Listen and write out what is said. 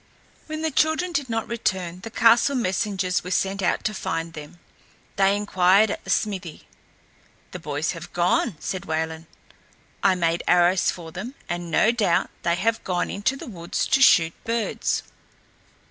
When the children did not return the castle messengers were sent out to find them. They inquired at the smithy. "The boys have gone," said Wayland. "I made arrows for them, and no doubt they have gone into the woods to shoot birds."